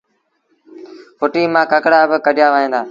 ڦُٽيٚ مآݩ ڪڪڙآ با ڪڍيآ وهيݩ دآ